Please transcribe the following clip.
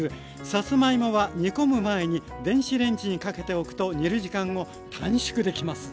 さつまいもは煮込む前に電子レンジにかけておくと煮る時間を短縮できます。